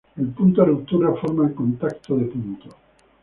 El punto de ruptura forma el contacto de punto.